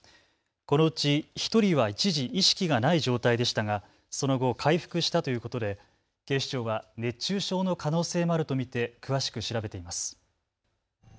このうち１人は一時、意識がない状態でしたがその後、回復したということで警視庁は熱中症の可能性もあると見て詳しく調べています。